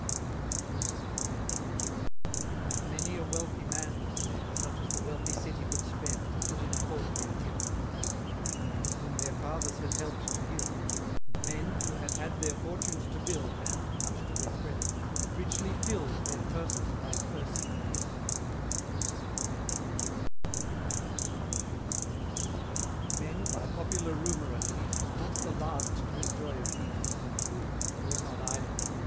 CCXLIX. And many a wealthy man was there, Such as the wealthy City could spare, To put in a portly appearance Men, whom their fathers had help'd to gild: And men, who had had their fortunes to build And much to their credit had richly fill'd Their purses by pursy verance. CCL. Men, by popular rumor at least, Not the last to enjoy a feast! And truly they were not idle!